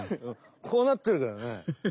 こうなってるからね。